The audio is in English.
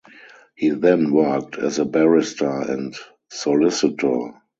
He then worked as a barrister and solicitor.